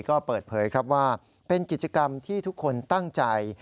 ก็เปิดเผยครับว่าเป็นกิจกรรมที่ทุกคนตั้งใจ